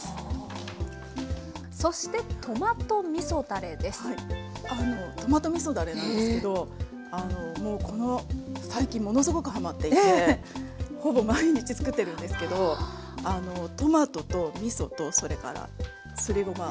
そしてトマトみそだれなんですけど最近ものすごくはまっていてほぼ毎日作ってるんですけどトマトとみそとそれからすりごま